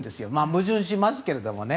矛盾しますけどね。